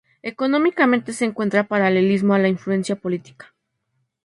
Económicamente se encuentra paralelismo a la influencia política.